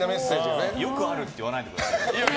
よくあるって言わないでください。